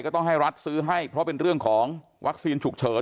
ต้องให้รัฐซื้อให้เพราะเป็นเรื่องของวัคซีนฉุกเฉิน